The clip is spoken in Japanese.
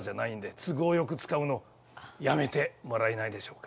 都合よく使うのやめてもらえないでしょうか？